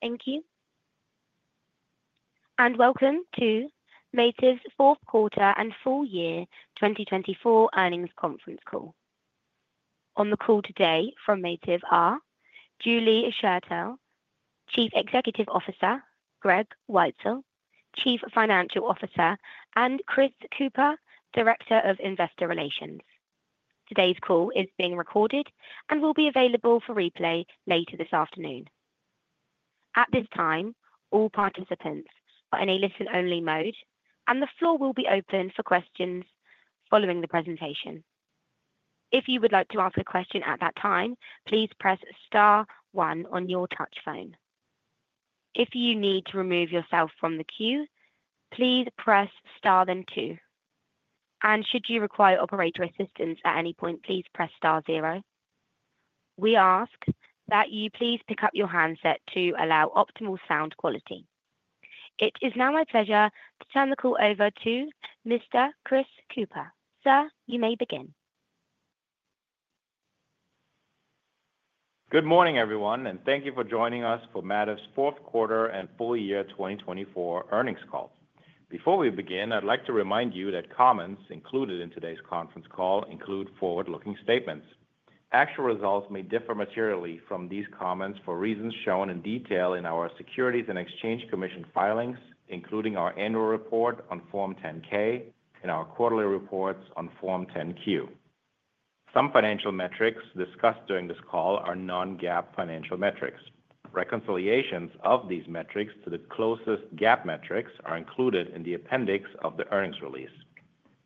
Thank you and welcome to Mativ's Fourth Quarter and Full Year 2024 Earnings Conference Call. On the call today from Mativ are Julie Schertell, Chief Executive Officer, Greg Weitzel, Chief Financial Officer, and Chris Kuepper, Director of Investor Relations. Today's call is being recorded and will be available for replay later this afternoon. At this time, all participants are in a listen-only mode, and the floor will be open for questions following the presentation. If you would like to ask a question at that time, please press star one on your touch phone. If you need to remove yourself from the queue, please press star then two and should you require operator assistance at any point, please press star zero. We ask that you please pick up your handset to allow optimal sound quality. It is now my pleasure to turn the call over to Mr. Chris Kuepper. Sir, you may begin. Good morning, everyone, and thank you for joining us for Mativ's Fourth Quarter and Full Year 2024 Earnings Call. Before we begin, I'd like to remind you that comments included in today's conference call include forward-looking statements. Actual results may differ materially from these comments for reasons shown in detail in our Securities and Exchange Commission filings, including our annual report on Form 10-K and our quarterly reports on Form 10-Q. Some financial metrics discussed during this call are non-GAAP financial metrics. Reconciliations of these metrics to the closest GAAP metrics are included in the appendix of the earnings release.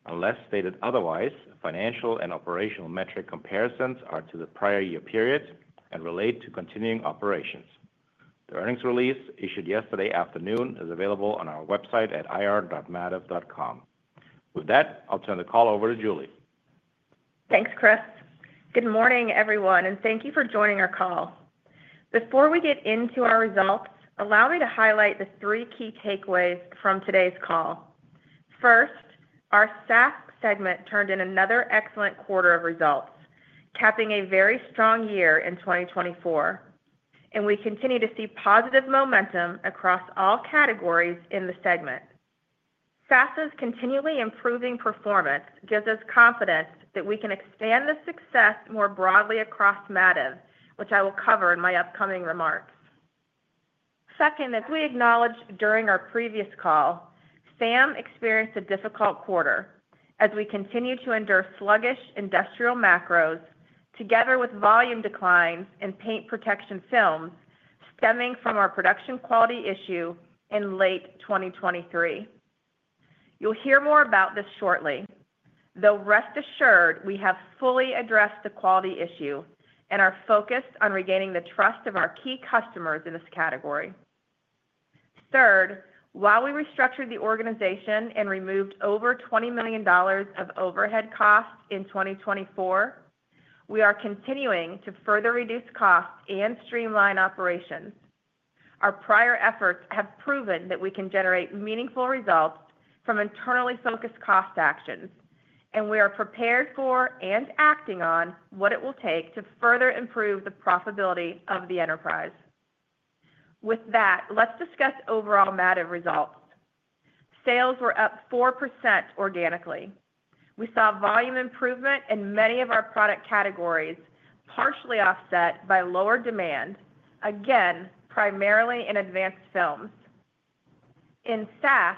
Unless stated otherwise, financial and operational metric comparisons are to the prior year period and relate to continuing operations. The earnings release issued yesterday afternoon is available on our website at ir.mativ.com. With that, I'll turn the call over to Julie. Thanks, Chris. Good morning, everyone, and thank you for joining our call. Before we get into our results, allow me to highlight the three key takeaways from today's call. First, our SaaS segment turned in another excellent quarter of results, capping a very strong year in 2024, and we continue to see positive momentum across all categories in the segment. SaaS's continually improving performance gives us confidence that we can expand the success more broadly across Mativ, which I will cover in my upcoming remarks. Second, as we acknowledged during our previous call, FAM experienced a difficult quarter as we continue to endure sluggish industrial macros together with volume declines in paint protection films stemming from our production quality issue in late 2023. You'll hear more about this shortly, though rest assured we have fully addressed the quality issue and are focused on regaining the trust of our key customers in this category. Third, while we restructured the organization and removed over $20 million of overhead costs in 2024, we are continuing to further reduce costs and streamline operations. Our prior efforts have proven that we can generate meaningful results from internally focused cost actions, and we are prepared for and acting on what it will take to further improve the profitability of the enterprise. With that, let's discuss overall Mativ results. Sales were up 4% organically. We saw volume improvement in many of our product categories, partially offset by lower demand, again, primarily in advanced films. In SaaS,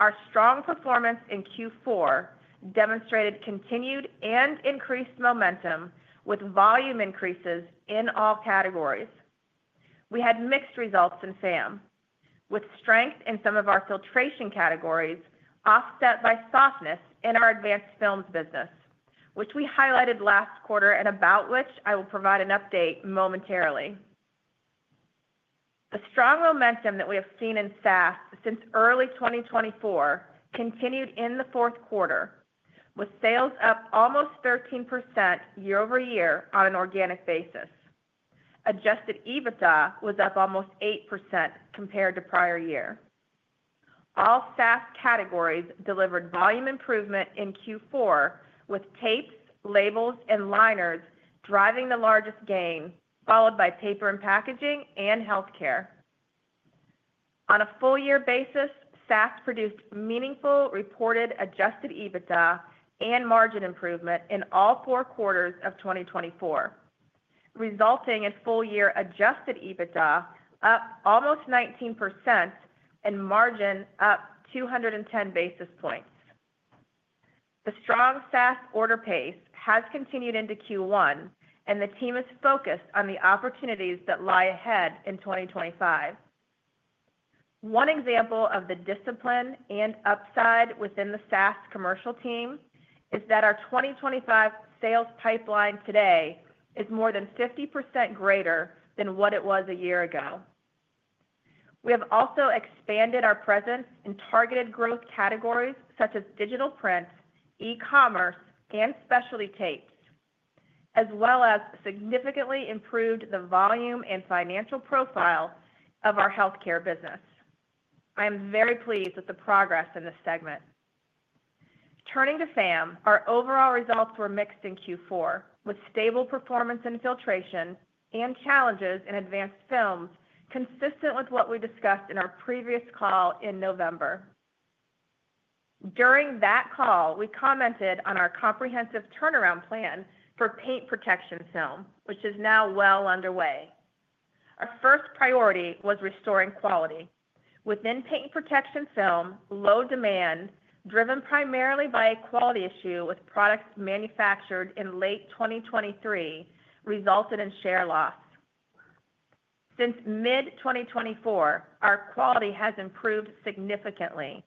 our strong performance in Q4 demonstrated continued and increased momentum with volume increases in all categories. We had mixed results in FAM, with strength in some of our filtration categories offset by softness in our advanced films business, which we highlighted last quarter and about which I will provide an update momentarily. The strong momentum that we have seen in SaaS since early 2024 continued in the fourth quarter, with sales up almost 13% year over year on an organic basis. Adjusted EBITDA was up almost 8% compared to prior year. All SaaS categories delivered volume improvement in Q4, with tapes, labels, and liners driving the largest gain, followed by paper and packaging and healthcare. On a full-year basis, SaaS produced meaningful reported adjusted EBITDA and margin improvement in all four quarters of 2024, resulting in full-year adjusted EBITDA up almost 19% and margin up 210 basis points. The strong SaaS order pace has continued into Q1, and the team is focused on the opportunities that lie ahead in 2025. One example of the discipline and upside within the SaaS commercial team is that our 2025 sales pipeline today is more than 50% greater than what it was a year ago. We have also expanded our presence in targeted growth categories such as digital print, e-commerce, and specialty tapes, as well as significantly improved the volume and financial profile of our healthcare business. I am very pleased with the progress in this segment. Turning to FAM, our overall results were mixed in Q4, with stable performance in filtration and challenges in advanced films consistent with what we discussed in our previous call in November. During that call, we commented on our comprehensive turnaround plan for paint protection film, which is now well underway. Our first priority was restoring quality. Within paint protection film, low demand, driven primarily by a quality issue with products manufactured in late 2023, resulted in share loss. Since mid-2024, our quality has improved significantly,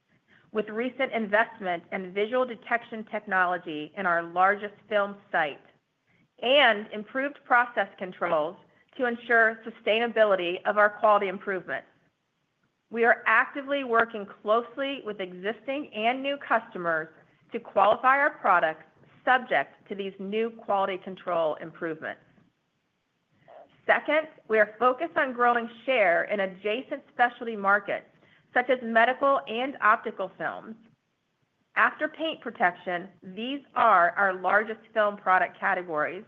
with recent investment in visual detection technology in our largest film site and improved process controls to ensure sustainability of our quality improvement. We are actively working closely with existing and new customers to qualify our products subject to these new quality control improvements. Second, we are focused on growing share in adjacent specialty markets such as medical and optical films. After paint protection, these are our largest film product categories,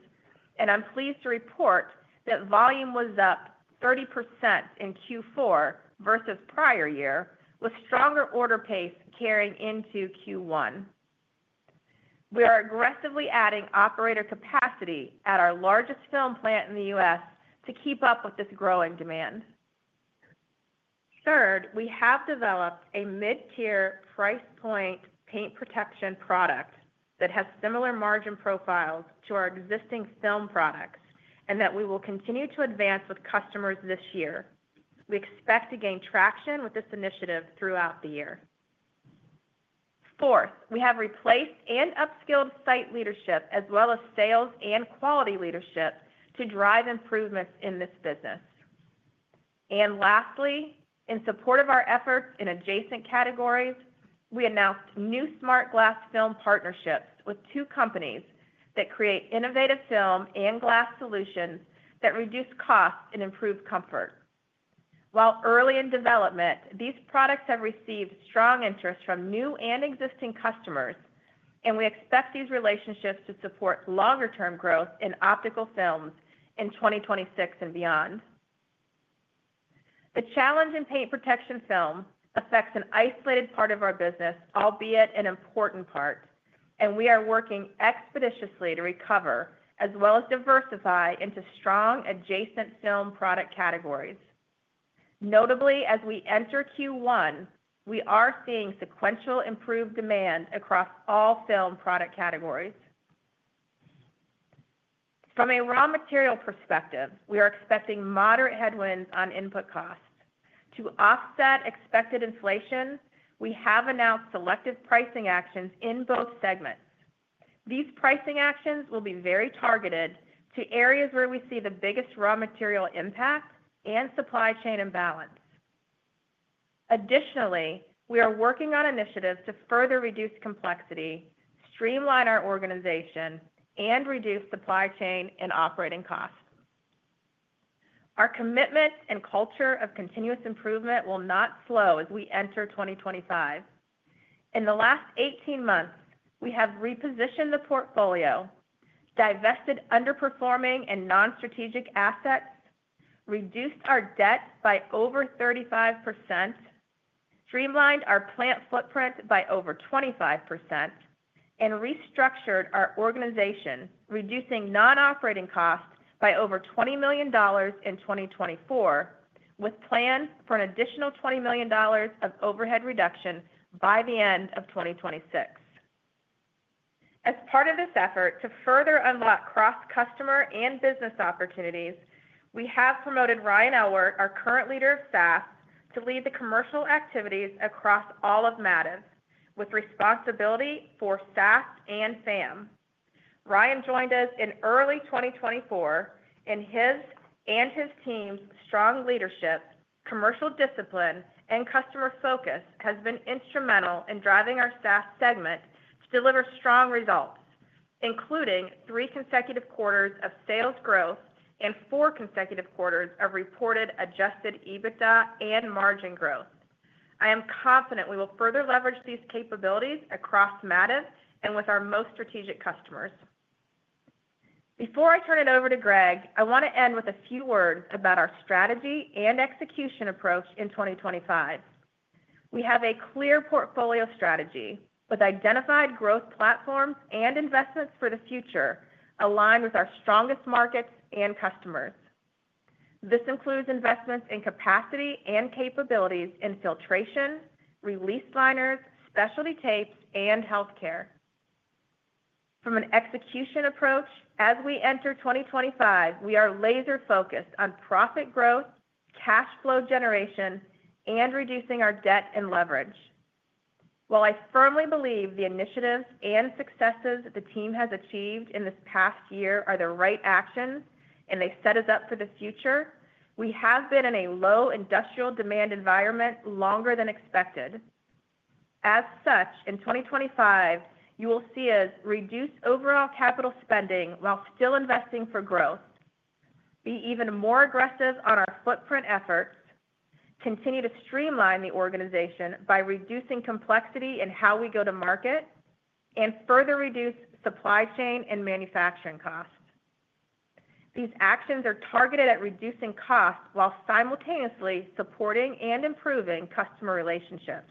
and I'm pleased to report that volume was up 30% in Q4 versus prior year, with stronger order pace carrying into Q1. We are aggressively adding operator capacity at our largest film plant in the U.S. to keep up with this growing demand. Third, we have developed a mid-tier price point paint protection product that has similar margin profiles to our existing film products and that we will continue to advance with customers this year. We expect to gain traction with this initiative throughout the year. Fourth, we have replaced and upskilled site leadership as well as sales and quality leadership to drive improvements in this business. And lastly, in support of our efforts in adjacent categories, we announced new smart glass film partnerships with two companies that create innovative film and glass solutions that reduce costs and improve comfort. While early in development, these products have received strong interest from new and existing customers, and we expect these relationships to support longer-term growth in optical films in 2026 and beyond. The challenge in paint protection film affects an isolated part of our business, albeit an important part, and we are working expeditiously to recover as well as diversify into strong adjacent film product categories. Notably, as we enter Q1, we are seeing sequentially improved demand across all film product categories. From a raw material perspective, we are expecting moderate headwinds on input costs. To offset expected inflation, we have announced selective pricing actions in both segments. These pricing actions will be very targeted to areas where we see the biggest raw material impact and supply chain imbalance. Additionally, we are working on initiatives to further reduce complexity, streamline our organization, and reduce supply chain and operating costs. Our commitment and culture of continuous improvement will not slow as we enter 2025. In the last 18 months, we have repositioned the portfolio, divested underperforming and non-strategic assets, reduced our debt by over 35%, streamlined our plant footprint by over 25%, and restructured our organization, reducing non-operating costs by over $20 million in 2024, with plans for an additional $20 million of overhead reduction by the end of 2026. As part of this effort to further unlock cross-customer and business opportunities, we have promoted Ryan Elwart, our current leader of SaaS, to lead the commercial activities across all of Mativ, with responsibility for SaaS and FAM. Ryan joined us in early 2024. In his and his team's strong leadership, commercial discipline, and customer focus has been instrumental in driving our SaaS segment to deliver strong results, including three consecutive quarters of sales growth and four consecutive quarters of reported Adjusted EBITDA and margin growth. I am confident we will further leverage these capabilities across Mativ and with our most strategic customers. Before I turn it over to Greg, I want to end with a few words about our strategy and execution approach in 2025. We have a clear portfolio strategy with identified growth platforms and investments for the future aligned with our strongest markets and customers. This includes investments in capacity and capabilities in filtration, release liners, specialty tapes, and healthcare. From an execution approach, as we enter 2025, we are laser-focused on profit growth, cash flow generation, and reducing our debt and leverage. While I firmly believe the initiatives and successes the team has achieved in this past year are the right actions and they set us up for the future, we have been in a low industrial demand environment longer than expected. As such, in 2025, you will see us reduce overall capital spending while still investing for growth, be even more aggressive on our footprint efforts, continue to streamline the organization by reducing complexity in how we go to market, and further reduce supply chain and manufacturing costs. These actions are targeted at reducing costs while simultaneously supporting and improving customer relationships.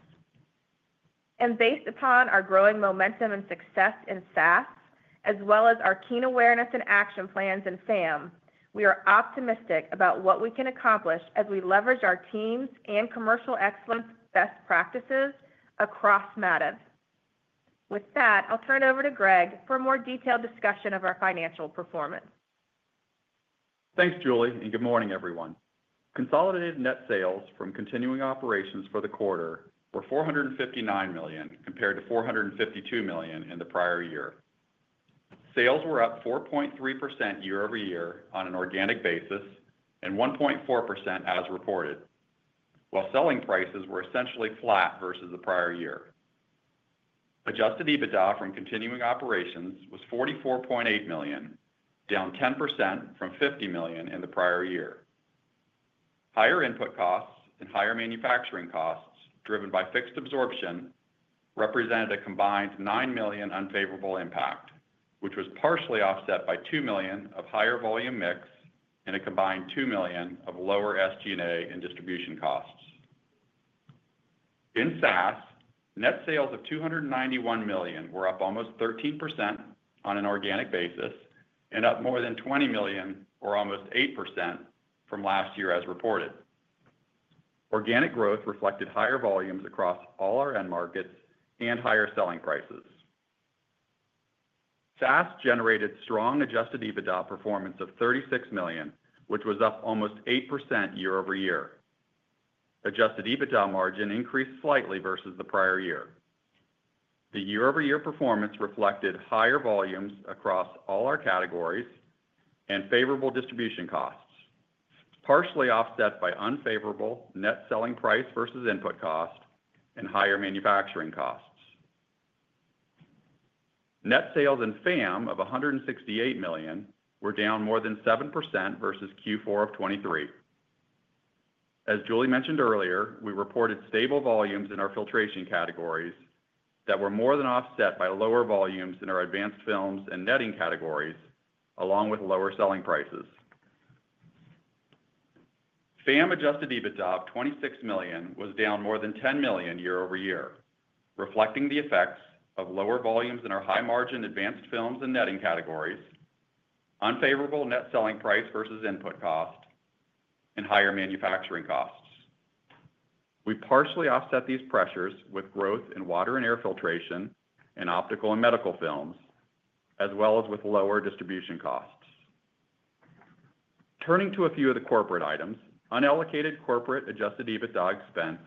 Based upon our growing momentum and success in SaaS, as well as our keen awareness and action plans in FAM, we are optimistic about what we can accomplish as we leverage our teams and commercial excellence best practices across Mativ. With that, I'll turn it over to Greg for a more detailed discussion of our financial performance. Thanks, Julie, and good morning, everyone. Consolidated net sales from continuing operations for the quarter were $459 million compared to $452 million in the prior year. Sales were up 4.3% year over year on an organic basis and 1.4% as reported, while selling prices were essentially flat versus the prior year. Adjusted EBITDA from continuing operations was $44.8 million, down 10% from $50 million in the prior year. Higher input costs and higher manufacturing costs driven by fixed absorption represented a combined $9 million unfavorable impact, which was partially offset by $2 million of higher volume mix and a combined $2 million of lower SG&A and distribution costs. In SaaS, net sales of $291 million were up almost 13% on an organic basis and up more than $20 million, or almost 8%, from last year as reported. Organic growth reflected higher volumes across all our end markets and higher selling prices. SaaS generated strong Adjusted EBITDA performance of $36 million, which was up almost 8% year over year. Adjusted EBITDA margin increased slightly versus the prior year. The year-over-year performance reflected higher volumes across all our categories and favorable distribution costs, partially offset by unfavorable net selling price versus input cost and higher manufacturing costs. Net sales in FAM of $168 million were down more than 7% versus Q4 of 2023. As Julie mentioned earlier, we reported stable volumes in our filtration categories that were more than offset by lower volumes in our advanced films and netting categories, along with lower selling prices. FAM adjusted EBITDA of $26 million was down more than $10 million year over year, reflecting the effects of lower volumes in our high-margin advanced films and netting categories, unfavorable net selling price versus input cost, and higher manufacturing costs. We partially offset these pressures with growth in water and air filtration and optical and medical films, as well as with lower distribution costs. Turning to a few of the corporate items, unallocated corporate adjusted EBITDA expense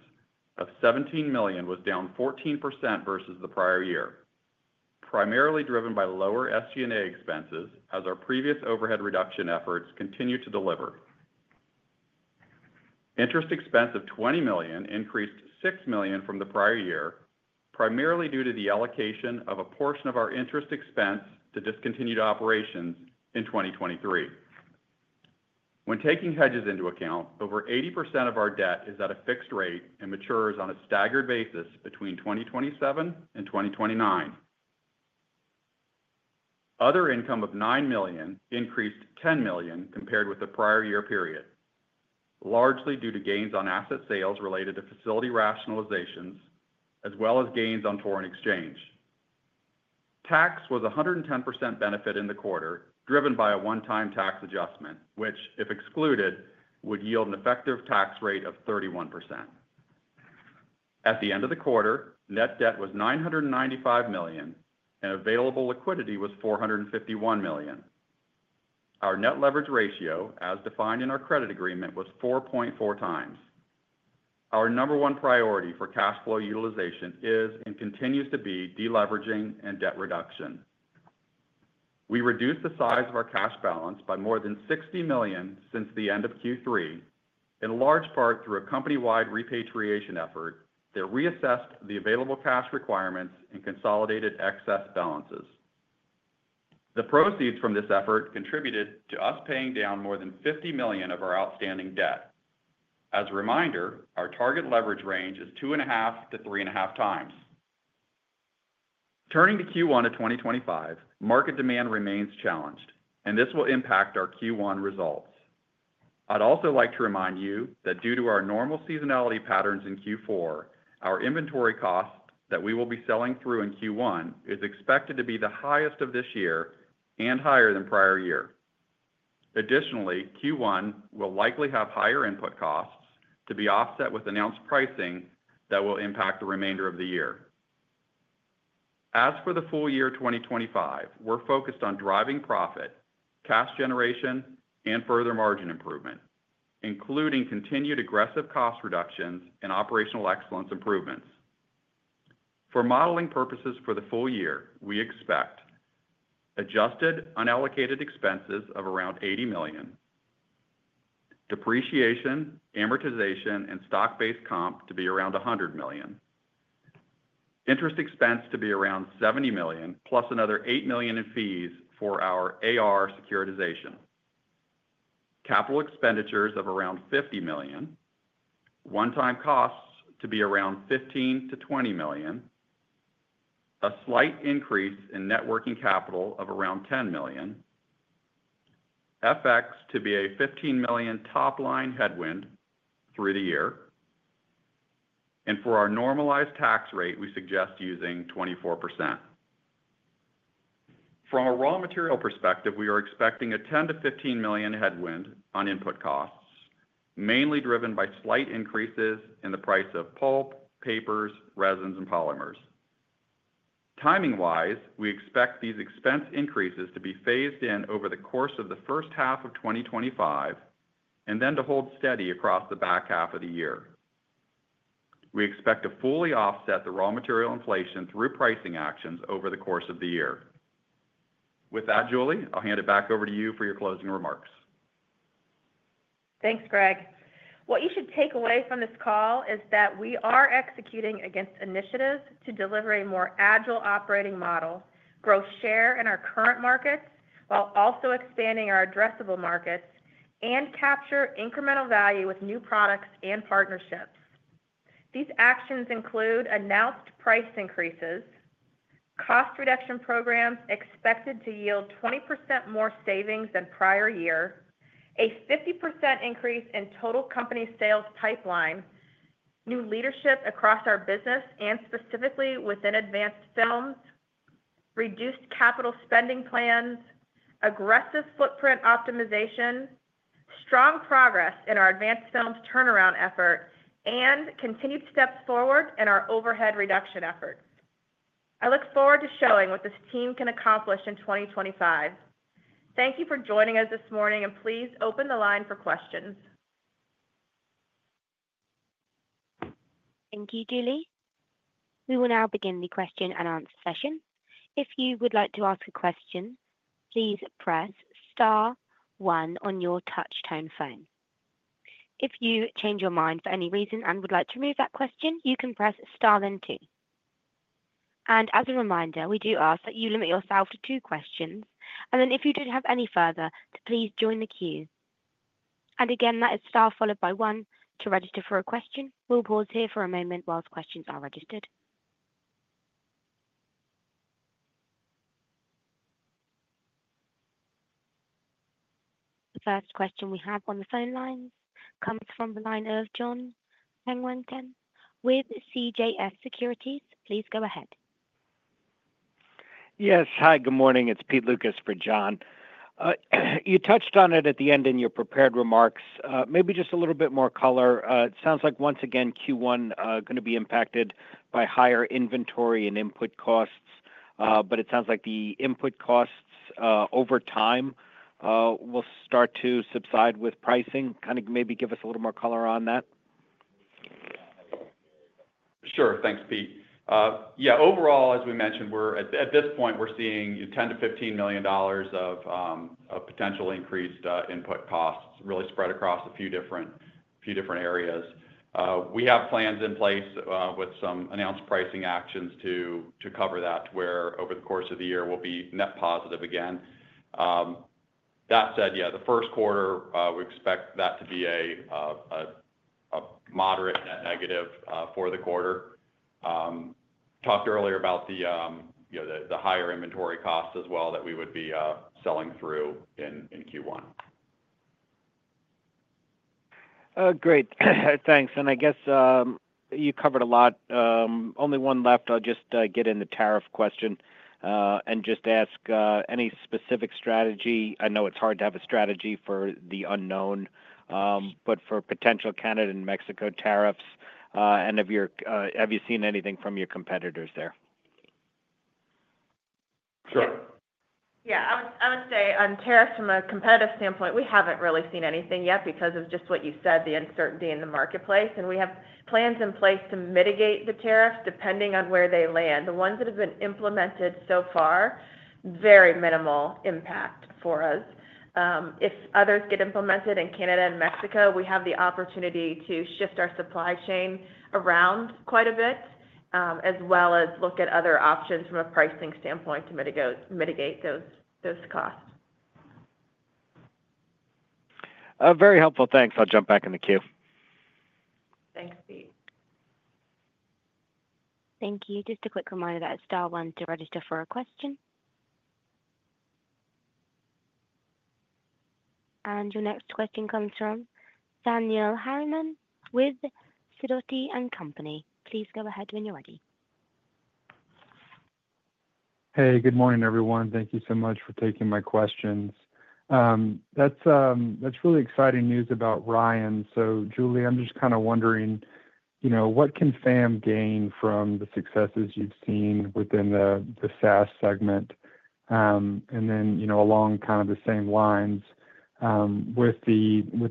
of $17 million was down 14% versus the prior year, primarily driven by lower SG&A expenses as our previous overhead reduction efforts continued to deliver. Interest expense of $20 million increased $6 million from the prior year, primarily due to the allocation of a portion of our interest expense to discontinued operations in 2023. When taking hedges into account, over 80% of our debt is at a fixed rate and matures on a staggered basis between 2027 and 2029. Other income of $9 million increased $10 million compared with the prior year period, largely due to gains on asset sales related to facility rationalizations, as well as gains on foreign exchange. Tax was a 110% benefit in the quarter, driven by a one-time tax adjustment, which, if excluded, would yield an effective tax rate of 31%. At the end of the quarter, net debt was $995 million, and available liquidity was $451 million. Our net leverage ratio, as defined in our credit agreement, was 4.4 times. Our number one priority for cash flow utilization is and continues to be deleveraging and debt reduction. We reduced the size of our cash balance by more than $60 million since the end of Q3, in large part through a company-wide repatriation effort that reassessed the available cash requirements and consolidated excess balances. The proceeds from this effort contributed to us paying down more than $50 million of our outstanding debt. As a reminder, our target leverage range is two and a half to three and a half times. Turning to Q1 of 2025, market demand remains challenged, and this will impact our Q1 results. I'd also like to remind you that due to our normal seasonality patterns in Q4, our inventory cost that we will be selling through in Q1 is expected to be the highest of this year and higher than prior year. Additionally, Q1 will likely have higher input costs to be offset with announced pricing that will impact the remainder of the year. As for the full year 2025, we're focused on driving profit, cash generation, and further margin improvement, including continued aggressive cost reductions and operational excellence improvements. For modeling purposes for the full year, we expect adjusted unallocated expenses of around $80 million, depreciation, amortization, and stock-based comp to be around $100 million, interest expense to be around $70 million, plus another $8 million in fees for our AR securitization, capital expenditures of around $50 million, one-time costs to be around $15-$20 million, a slight increase in net working capital of around $10 million, FX to be a $15 million top-line headwind through the year, and for our normalized tax rate, we suggest using 24%. From a raw material perspective, we are expecting a $10-$15 million headwind on input costs, mainly driven by slight increases in the price of pulp, papers, resins, and polymers. Timing-wise, we expect these expense increases to be phased in over the course of the first half of 2025 and then to hold steady across the back half of the year. We expect to fully offset the raw material inflation through pricing actions over the course of the year. With that, Julie, I'll hand it back over to you for your closing remarks. Thanks, Greg. What you should take away from this call is that we are executing against initiatives to deliver a more agile operating model, grow share in our current markets while also expanding our addressable markets and capture incremental value with new products and partnerships. These actions include announced price increases, cost reduction programs expected to yield 20% more savings than prior year, a 50% increase in total company sales pipeline, new leadership across our business and specifically within advanced films, reduced capital spending plans, aggressive footprint optimization, strong progress in our advanced films turnaround effort, and continued steps forward in our overhead reduction efforts. I look forward to showing what this team can accomplish in 2025. Thank you for joining us this morning, and please open the line for questions. Thank you, Julie. We will now begin the question and answer session. If you would like to ask a question, please press star one on your touch-tone phone. If you change your mind for any reason and would like to remove that question, you can press star then two. And as a reminder, we do ask that you limit yourself to two questions. And then if you didn't have any further, please join the queue. And again, that is star followed by one to register for a question. We'll pause here for a moment whilst questions are registered. The first question we have on the phone lines comes from the line of John Peguillan with CJS Securities. Please go ahead. Yes. Hi, good morning. It's Pete Lucas for John. You touched on it at the end in your prepared remarks. Maybe just a little bit more color. It sounds like, once again, Q1 is going to be impacted by higher inventory and input costs. But it sounds like the input costs over time will start to subside with pricing. Kind of maybe give us a little more color on that? Sure. Thanks, Pete. Yeah. Overall, as we mentioned, at this point, we're seeing $10 million-$15 million of potential increased input costs really spread across a few different areas. We have plans in place with some announced pricing actions to cover that where over the course of the year, we'll be net positive again. That said, yeah, the first quarter, we expect that to be a moderate net negative for the quarter. Talked earlier about the higher inventory costs as well that we would be selling through in Q1. Great. Thanks. And I guess you covered a lot. Only one left. I'll just get in the tariff question and just ask any specific strategy. I know it's hard to have a strategy for the unknown, but for potential Canada and Mexico tariffs. And have you seen anything from your competitors there? Sure. Yeah. I would say on tariffs from a competitive standpoint, we haven't really seen anything yet because of just what you said, the uncertainty in the marketplace. And we have plans in place to mitigate the tariffs depending on where they land. The ones that have been implemented so far, very minimal impact for us. If others get implemented in Canada and Mexico, we have the opportunity to shift our supply chain around quite a bit, as well as look at other options from a pricing standpoint to mitigate those costs. Very helpful. Thanks. I'll jump back in the queue. Thanks, Pete. Thank you. Just a quick reminder that star one to register for a question. And your next question comes from Daniel Harriman with Sidoti & Company. Please go ahead when you're ready. Hey, good morning, everyone. Thank you so much for taking my questions. That's really exciting news about Ryan. So, Julie, I'm just kind of wondering, what can FAM gain from the successes you've seen within the SaaS segment? And then along kind of the same lines, with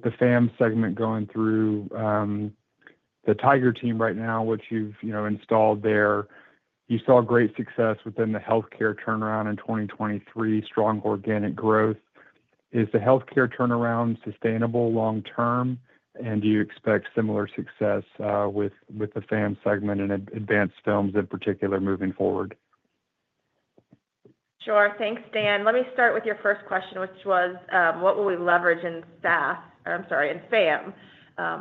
the FAM segment going through the Tiger team right now, which you've installed there, you saw great success within the healthcare turnaround in 2023, strong organic growth. Is the healthcare turnaround sustainable long-term? And do you expect similar success with the FAM segment and advanced films in particular moving forward? Sure. Thanks, Dan. Let me start with your first question, which was, what will we leverage in SaaS? Or I'm sorry, in FAM,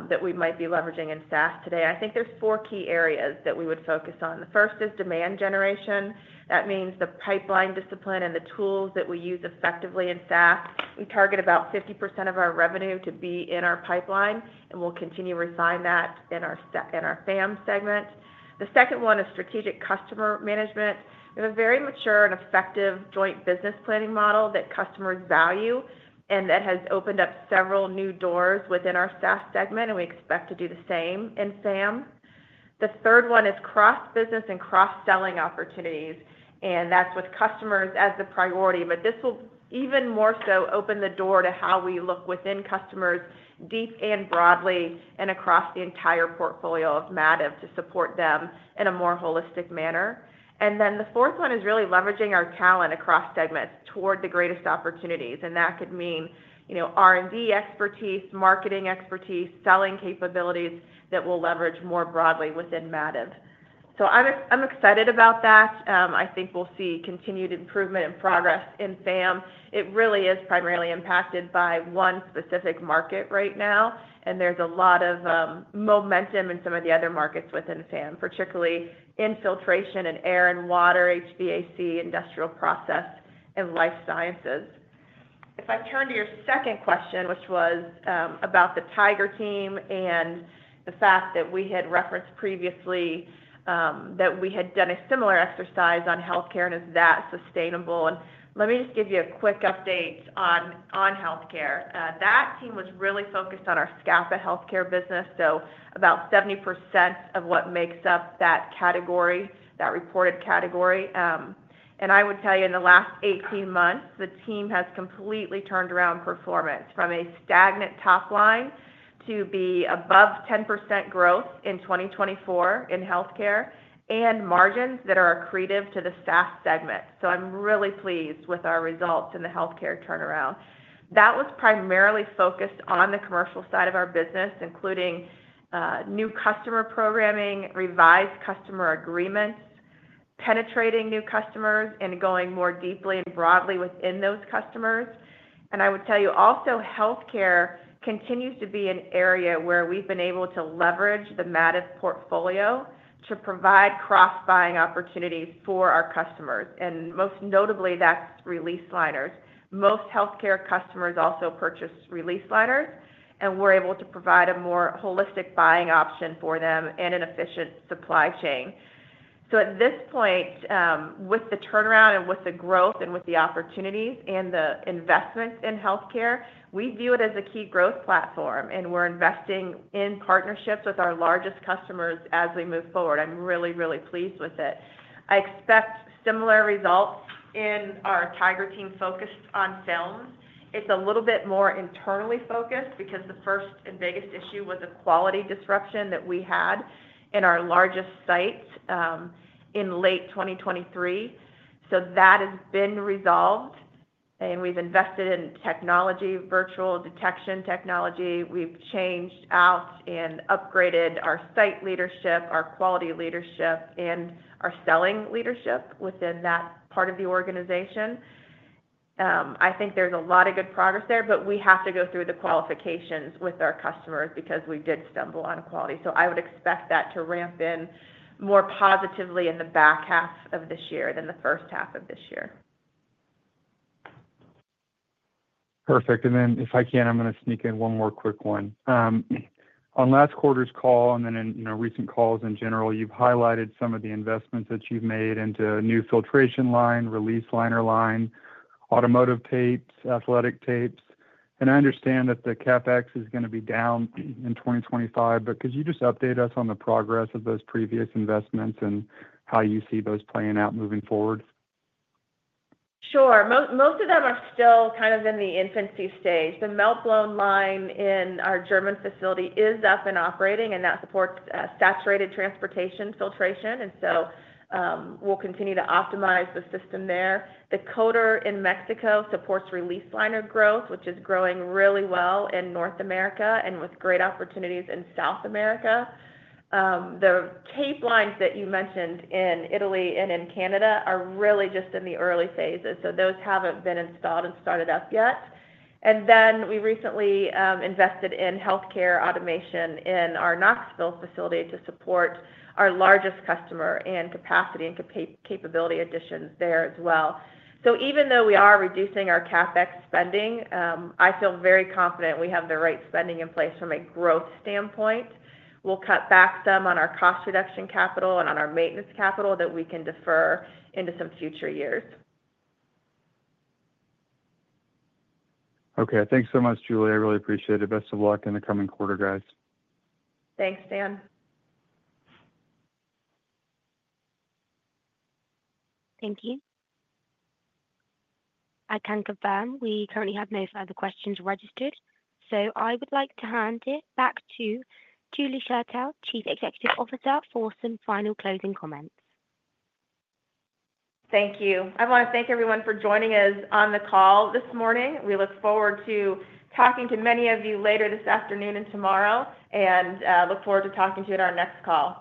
that we might be leveraging in SaaS today? I think there's four key areas that we would focus on. The first is demand generation. That means the pipeline discipline and the tools that we use effectively in SaaS. We target about 50% of our revenue to be in our pipeline, and we'll continue to refine that in our FAM segment. The second one is strategic customer management. We have a very mature and effective joint business planning model that customers value and that has opened up several new doors within our SaaS segment, and we expect to do the same in FAM. The third one is cross-business and cross-selling opportunities. And that's with customers as the priority. But this will even more so open the door to how we look within customers deep and broadly and across the entire portfolio of Mativ to support them in a more holistic manner. And then the fourth one is really leveraging our talent across segments toward the greatest opportunities. And that could mean R&D expertise, marketing expertise, selling capabilities that we'll leverage more broadly within Mativ. So I'm excited about that. I think we'll see continued improvement and progress in FAM. It really is primarily impacted by one specific market right now, and there's a lot of momentum in some of the other markets within FAM, particularly filtration and air and water, HVAC, industrial process, and life sciences. If I turn to your second question, which was about the Tiger team and the fact that we had referenced previously that we had done a similar exercise on healthcare and is that sustainable, and let me just give you a quick update on healthcare. That team was really focused on our Scapa Healthcare business, so about 70% of what makes up that category, that reported category, and I would tell you in the last 18 months, the team has completely turned around performance from a stagnant top line to be above 10% growth in 2024 in healthcare and margins that are accretive to the SaaS segment, so I'm really pleased with our results in the healthcare turnaround. That was primarily focused on the commercial side of our business, including new customer programming, revised customer agreements, penetrating new customers, and going more deeply and broadly within those customers. I would tell you also healthcare continues to be an area where we've been able to leverage the Mativ portfolio to provide cross-buying opportunities for our customers. And most notably, that's release liners. Most healthcare customers also purchase release liners, and we're able to provide a more holistic buying option for them and an efficient supply chain. So at this point, with the turnaround and with the growth and with the opportunities and the investments in healthcare, we view it as a key growth platform, and we're investing in partnerships with our largest customers as we move forward. I'm really, really pleased with it. I expect similar results in our Tiger team focused on films. It's a little bit more internally focused because the first and biggest issue was a quality disruption that we had in our largest site in late 2023. So that has been resolved, and we've invested in technology, visual detection technology. We've changed out and upgraded our site leadership, our quality leadership, and our selling leadership within that part of the organization. I think there's a lot of good progress there, but we have to go through the qualifications with our customers because we did stumble on quality. So I would expect that to ramp in more positively in the back half of this year than the first half of this year. Perfect. And then if I can, I'm going to sneak in one more quick one. On last quarter's call and then in recent calls in general, you've highlighted some of the investments that you've made into new filtration line, release liner line, automotive tapes, athletic tapes. And I understand that the CapEx is going to be down in 2025, but could you just update us on the progress of those previous investments and how you see those playing out moving forward? Sure. Most of them are still kind of in the infancy stage. The meltblown line in our German facility is up and operating, and that supports saturated transportation filtration, and so we'll continue to optimize the system there. The coater in Mexico supports release liner growth, which is growing really well in North America and with great opportunities in South America. The tape lines that you mentioned in Italy and in Canada are really just in the early phases, so those haven't been installed and started up yet, and then we recently invested in healthcare automation in our Knoxville facility to support our largest customer and capacity and capability additions there as well, so even though we are reducing our CapEx spending, I feel very confident we have the right spending in place from a growth standpoint. We'll cut back some on our cost reduction capital and on our maintenance capital that we can defer into some future years. Okay. Thanks so much, Julie. I really appreciate it. Best of luck in the coming quarter, guys. Thanks, Dan. Thank you. At CJS, we currently have no further questions registered. So I would like to hand it back to Julie Schertell, Chief Executive Officer, for some final closing comments. Thank you. I want to thank everyone for joining us on the call this morning. We look forward to talking to many of you later this afternoon and tomorrow and look forward to talking to you at our next call.